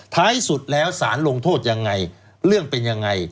ท้ายสุดแล้วสารลงโทษยังไงเรื่องเป็นยังไง